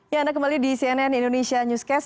ya anda kembali di cnn indonesia newscast